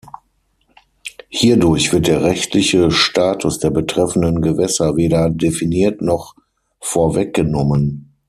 Hierdurch wird der rechtliche Status der betreffenden Gewässer weder definiert noch vorweggenommen.